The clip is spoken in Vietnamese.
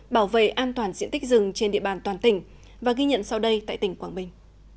bảo vệ an toàn diện tích rừng trên địa bàn toàn tỉnh và ghi nhận sau đây tại tỉnh quảng bình